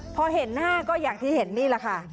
พอเห็นหน้าก็อย่างที่เห็นนี่แหละค่ะ